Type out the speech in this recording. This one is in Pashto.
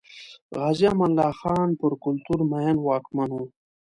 غازي امان الله خان پر کلتور مین واکمن و.